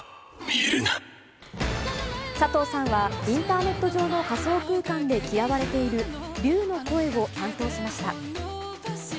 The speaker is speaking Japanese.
佐藤さんは、インターネット上の仮想空間で嫌われている、竜の声を担当しました。